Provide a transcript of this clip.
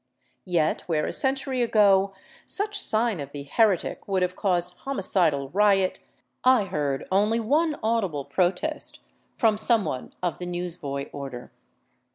Yet, where a century ago such sign of the heretic would have caused homicidal riot, I heard only one audible protest — from some one of the news boy order.